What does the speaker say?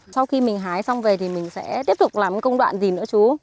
sau khi mình hái xong về thì mình sẽ tiếp tục làm công đoạn gì nữa chú